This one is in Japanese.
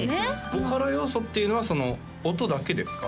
ボカロ要素っていうのは音だけですか？